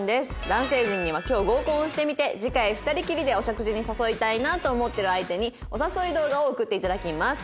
男性陣には今日合コンをしてみて次回２人きりでお食事に誘いたいなと思ってる相手にお誘い動画を送っていただきます。